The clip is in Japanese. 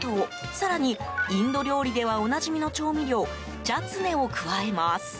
更に、インド料理ではおなじみの調味料チャツネを加えます。